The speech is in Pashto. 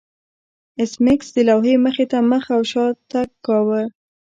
ایس میکس د لوحې مخې ته مخ او شا تګ کاوه